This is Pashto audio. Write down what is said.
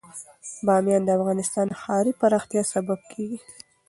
بامیان د افغانستان د ښاري پراختیا سبب کېږي.